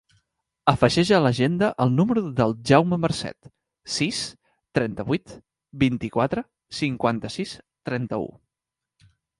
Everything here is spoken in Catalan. Afegeix a l'agenda el número del Jaume Marcet: sis, trenta-vuit, vint-i-quatre, cinquanta-sis, trenta-u.